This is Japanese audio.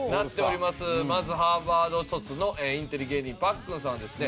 まずハーバード卒のインテリ芸人パックンさんはですね